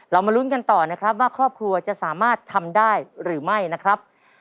มาลุ้นกันต่อนะครับว่าครอบครัวจะสามารถทำได้หรือไม่นะครับ